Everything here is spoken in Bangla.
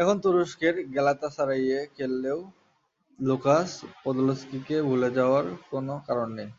এখন তুরস্কের গ্যালাতাসারাইয়ে খেললেও লুকাস পোডলস্কিকে ভুলে যাওয়ার কোনো কারণ নেই।